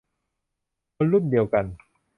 คนรุ่นเดียวกัน